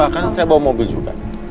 kan saya bawa mobil juga